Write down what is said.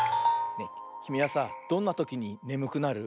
きみはさどんなときにねむくなる？